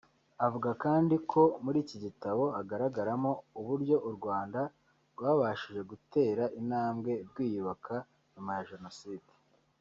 Avuga kandi ko muri iki gitabo hagaragaramo uburyo u Rwanda rwabashije gutera intambwe rwiyubaka nyuma ya Jenoside